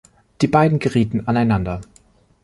Die beiden gerieten aneinander.